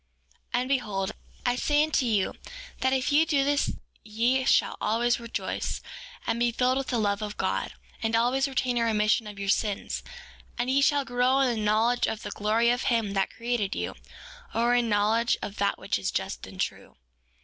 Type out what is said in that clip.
4:12 And behold, I say unto you that if ye do this ye shall always rejoice, and be filled with the love of God, and always retain a remission of your sins; and ye shall grow in the knowledge of the glory of him that created you, or in the knowledge of that which is just and true.